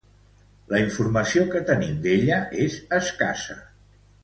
La informació que tenim d'ella és escassa.